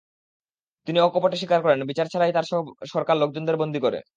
তিনি অকপটে স্বীকার করেন, বিচার ছাড়াই তাঁর সরকার লোকজনদের বন্দী করে।